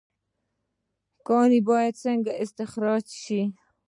کانونه باید څنګه استخراج شي؟